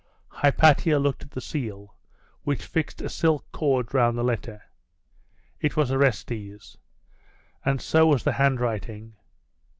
Hypatia looked at the seal which fixed a silk cord round the letter. It was Orestes'; and so was the handwriting....